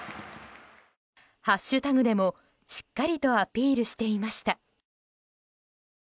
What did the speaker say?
ハッシュタグでもしっかりとアピールしていました。